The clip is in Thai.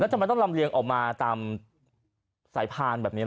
แล้วจะมาต้องลำเรียงออกมาตามสายพานแบบนี้เหรอ